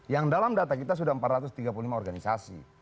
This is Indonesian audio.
yang dalam data kita sudah empat ratus tiga puluh lima organisasi